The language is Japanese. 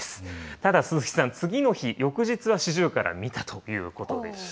ただ鈴木さん、次の日、翌日はシジュウカラ見たということでした。